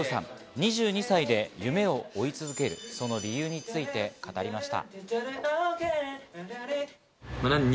２２歳で夢を追い続けるその理由について語りました。